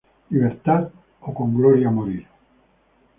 ¡Libertad o con gloria morir!